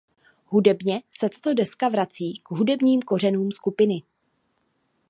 Hudebně se tato deska vrací k hudebník kořenům skupiny.